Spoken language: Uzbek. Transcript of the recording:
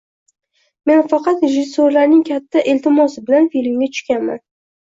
Men faqat rejissyorlarning katta iltimosi bilan filmga tushganman.